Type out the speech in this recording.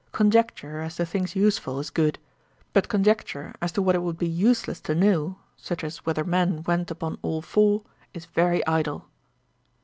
Conjecture, as to things useful, is good; but conjecture as to what it would be useless to know, such as whether men went upon all four, is very idle.'